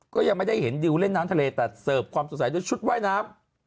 ก็ยังไม่ได้เห็นดิวเล่นน้ำทะเลแต่เสิร์ฟความสงสัยด้วยชุดว่ายน้ำ